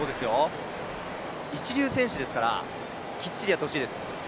一流選手ですから、きっちりやってほしいです。